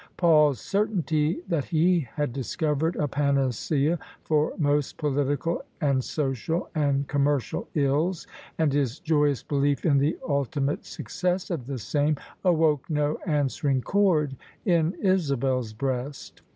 Paul's certainty that he had discovered a panacea for most political and social and commercial ills, and his joyous belief in the ultimate success of the same, awoke no answering chord in Isabel's breast.